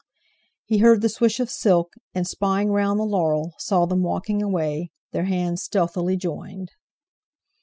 He heard the swish of silk, and, spying round the laurel, saw them walking away, their hands stealthily joined....